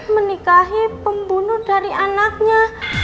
menikahi pembunuh dari anaknya